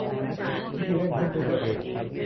วิธีเล่นหุ้นด้วยตัวเอง